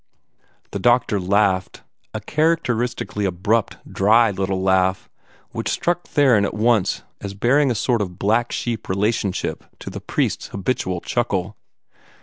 The doctor laughed a characteristically abrupt, dry little laugh, which struck Theron at once as bearing a sort of black sheep relationship to the priest's habitual chuckle.